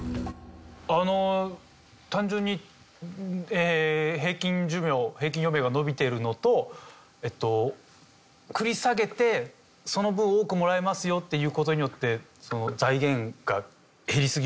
あの単純に平均寿命平均余命が伸びているのとえっと繰り下げてその分多くもらえますよという事によって。